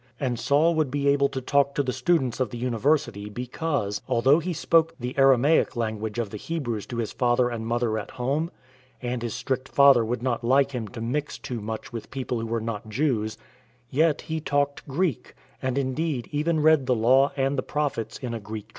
And Saul would be able to talk to the students of the University because — although he spoke the Aramaic language of the Hebrews to his father and mother at home, and his strict father would not like him to mix too much with people who were not Jews — yet he talked Greek, and indeed, even read the Law and the Prophets in a Greek translation.